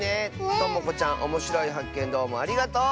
ともこちゃんおもしろいはっけんどうもありがとう！